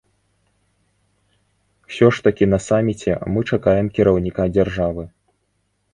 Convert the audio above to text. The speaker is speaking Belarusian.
Усё ж такі на саміце мы чакаем кіраўніка дзяржавы.